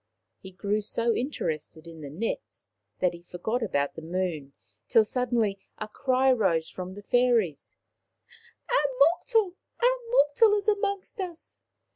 He grew so interested in the nets that he forgot about the moon, till suddenly a cry rose from the fairies : "A mortal 1 A mortal is amongst us!"